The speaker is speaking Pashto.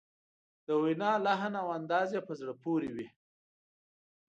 د وینا لحن او انداز یې په زړه پورې وي.